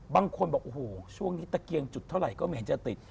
บางคนบอกโอ้โหช่วงนี้ตะเกียงจุดเท่าไหร่ก็ไม่เห็นจะติด